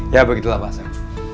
ya begitulah pak asyik